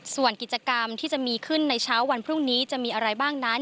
ส่วนกิจกรรมที่จะมีขึ้นในเช้าวันพรุ่งนี้จะมีอะไรบ้างนั้น